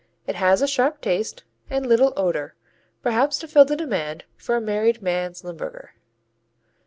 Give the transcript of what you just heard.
It has a sharp taste and little odor, perhaps to fill the demand for a "married man's Limburger."